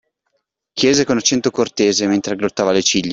Chiese con accento cortese, mentre aggrottava le ciglia.